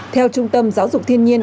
theo trung tâm giáo dục thiên nhiên